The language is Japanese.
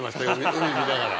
海見ながら。